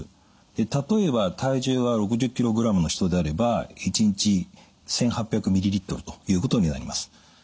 例えば体重が６０ｋｇの人であれば１日１，８００ｍＬということになります。